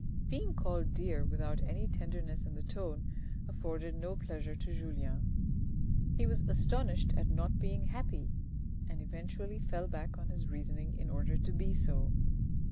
Being called " dear " without any tenderness in the tone afforded no pleasure to Julien ; he was astonished at not being happy, and eventually fell back on his reasoning in order to be so.